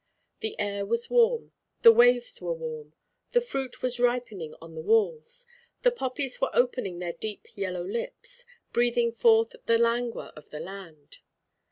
The air was warm; the waves were warm; the fruit was ripening on the walls. The poppies were opening their deep yellow lips, breathing forth the languor of the land.